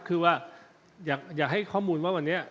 คือว่าอยากให้ข้อมูลว่าวันนี้